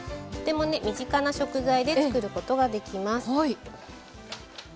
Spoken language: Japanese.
とても身近な食材で作る事ができます。